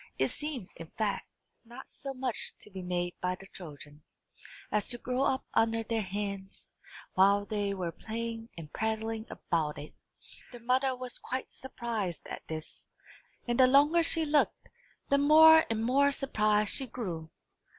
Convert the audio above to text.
It seemed, in fact, not so much to be made by the children, as to grow up under their hands, while they were playing and prattling about it. Their mother was quite surprised at this; and the longer she looked, the more and more surprised she grew.